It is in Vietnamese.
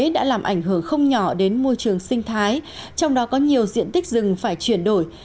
đã làm ảnh hưởng không nhỏ đến môi trường sinh thái trong đó có nhiều diện tích rừng phải chuyển đổi